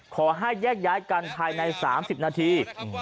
ขอให้แยกย้ายกันภายใน๓๐นาที